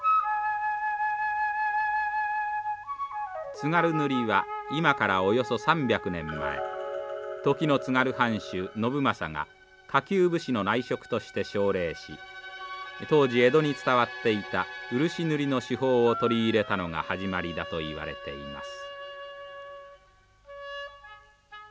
津軽塗は今からおよそ３００年前時の津軽藩主信政が下級武士の内職として奨励し当時江戸に伝わっていた漆塗りの手法を取り入れたのが始まりだといわれています。